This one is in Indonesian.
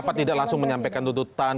kenapa tidak langsung menyampaikan tuntutan